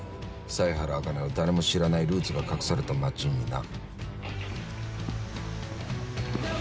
犀原茜の誰も知らないルーツが隠された町にな。